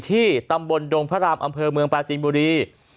ที่ตำบลดงพระรามอำเภอเมืองปลาจีนบุรี